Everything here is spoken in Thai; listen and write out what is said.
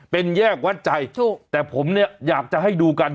เป็นแยกวัดใจแต่ผมอยากจะให้ดูกัน